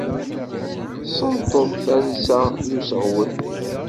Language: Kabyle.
Senṭeḍ tansa n useɣwen.